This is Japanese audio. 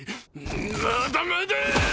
まだまだぁ！